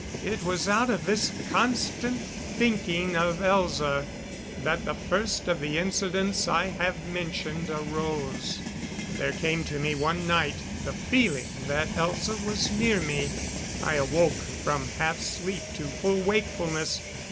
It was out of this constant thinking of Elza that the first of the incidents I have mentioned, arose. There came to me one night the feeling that Elza was near me. I awoke from half sleep to full wakefulness.